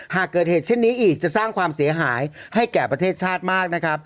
หากเกิดเหตุเช่นนี้อีกจะสร้างความเสียหายให้แก่ประเทศชาติมากนะครับ